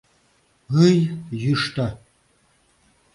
Ый, йӱштӧ!